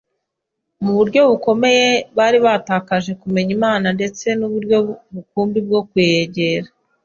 Mu buryo bukomeye bari baratakaje kumenya Imana ndetse n’uburyo rukumbi bwo kuyegera.